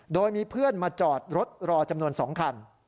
โดยมีเพื่อนมาจอดรถรอจำนวน๒คัน